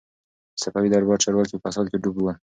د صفوي دربار چارواکي په فساد کي ډوب ول.